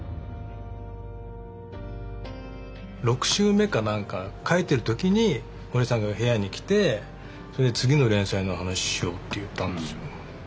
６週目か何か描いてる時に堀江さんが部屋に来てそれで「次の連載の話しよう」って言ったんですよ。